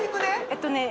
えっとね